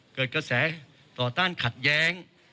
เกิดกระแสต่อต้านขัดแย้ง